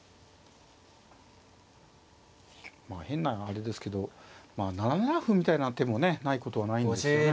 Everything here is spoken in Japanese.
まあ変なあれですけど７七歩みたいな手もねないことはないんですよね。